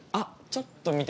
ちょっと待って。